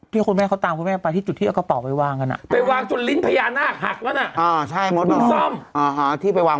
ที่คุณแม่ตามคุณแม่ไปหลายจุดเอากระกออกไปวาง